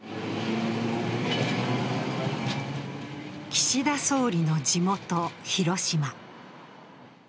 岸田総理の地元・広島。